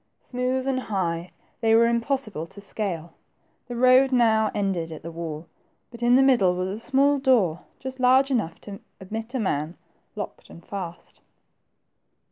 Smooth and high, they were impossible to scale. The road now ended at the wall, but in the middle was a small door, just large enough to admit a man, locked and fast.